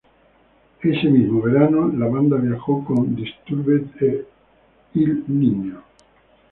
Ese mismo verano, la banda viajó con Disturbed e Ill Niño.